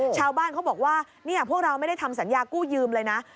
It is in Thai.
ชาวบ้านเขาบอกว่าพวกเราไม่ได้ทำสัญญากู้ยืมเลยนะ